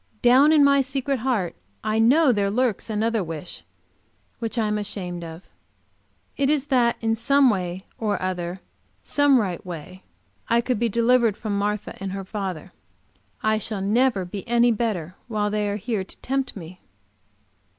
Down in my secret heart I know there lurks another wish, which I am ashamed of. It is that in some way or other, some right way, I could be delivered from Martha and her father. I shall never be any better while they are here to tempt me!